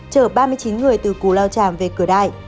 chở ba mươi chín người từ cù lao tràm về cửa đại